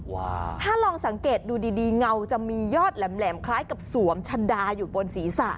ว่าถ้าลองสังเกตดูดีดีเงาจะมียอดแหลมคล้ายกับสวมชะดาอยู่บนศีรษะ